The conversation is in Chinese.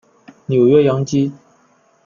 纽约洋基